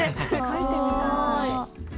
書いてみたい。